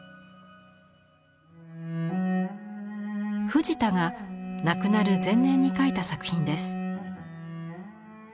藤田が亡くなる前年に描いた作品です。